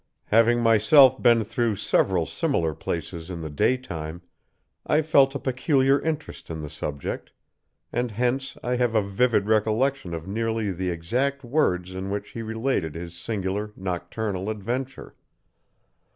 Having myself been through several similar places in the daytime, I felt a peculiar interest in the subject, and hence I have a vivid recollection of nearly the exact words in which he related his singular nocturnal adventure.